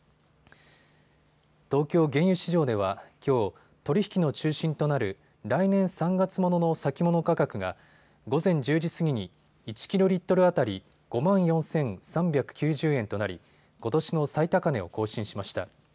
東京原油市場ではきょう、取り引きの中心となる来年３月ものの先物価格が午前１０時過ぎに１キロリットル当たり５万４３９０円となりことしの最高値を更新しました。